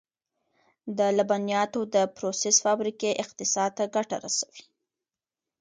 د لبنیاتو د پروسس فابریکې اقتصاد ته ګټه رسوي.